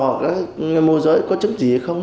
hoặc người mô giới có chứng gì hay không